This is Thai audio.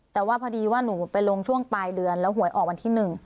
แต่ว่าพอดีว่าหนูไปลงช่วงปลายเดือนแล้วหวยออกวันที่๑